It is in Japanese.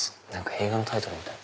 映画のタイトルみたい。